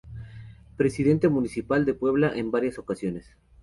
Presidente Municipal de Puebla en varias ocasiones.